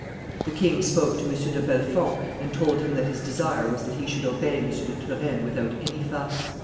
The king spoke to M. de Bellefonds and told him that his desire was that he should obey M. de Turenne without any fuss.